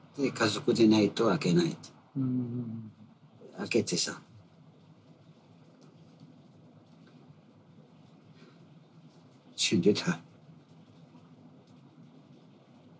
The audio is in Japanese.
開けてさ死んでた。